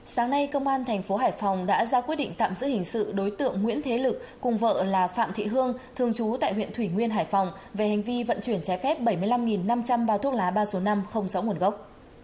sáng nay công an thành phố hải phòng đã ra quyết định tạm giữ hình sự đối tượng nguyễn thế lực cùng vợ là phạm thị hương thường trú tại huyện thủy nguyên hải phòng về hành vi vận chuyển trái phép bảy mươi năm năm trăm linh bao thuốc lá ba số năm không rõ nguồn gốc